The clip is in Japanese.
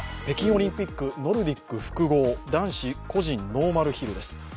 北京オリンピック・ノルディック複合男子個人ノーマルヒルです。